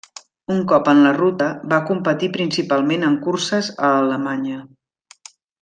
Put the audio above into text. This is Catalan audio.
Un cop en la ruta va competir principalment en curses a Alemanya.